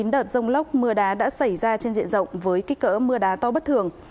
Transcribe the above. chín đợt rông lốc mưa đá đã xảy ra trên diện rộng với kích cỡ mưa đá to bất thường